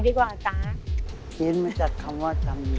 ที่ตำแหยนี่หมอเขาจะมีคระก